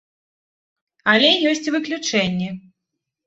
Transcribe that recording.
Але ёсць і выключэнні.